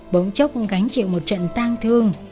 bỗng chốc gánh chịu một trận tan thương